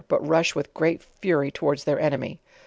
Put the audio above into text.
but rush with great fury towards their enemy.